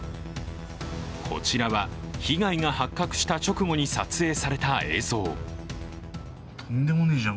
こちらは被害が発覚した直後に撮影された映像。